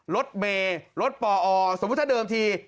รถเมย์รถปอสมมุติถ้าเดิมที